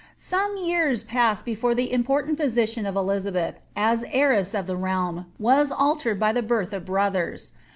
Some years passed before the important position of Elizabeth, as heiress of the realm, was altered by the birth of brothers.